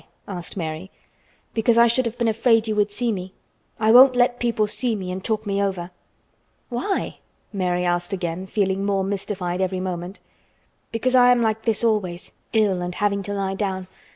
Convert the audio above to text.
asked Mary. "Because I should have been afraid you would see me. I won't let people see me and talk me over." "Why?" Mary asked again, feeling more mystified every moment. "Because I am like this always, ill and having to lie down.